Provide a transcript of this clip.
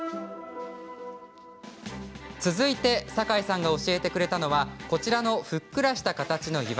続いて坂井さんが教えてくれたのはこちらのふっくらした形の岩。